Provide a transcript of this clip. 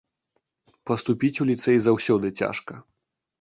Паступіць у ліцэй заўсёды цяжка.